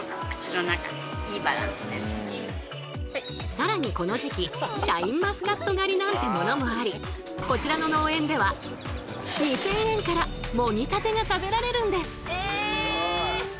更にこの時期シャインマスカット狩りなんてものもありこちらの農園では２０００円からもぎたてが食べられるんです。